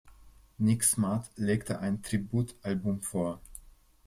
Nick Smart legte ein Tributalbum vor.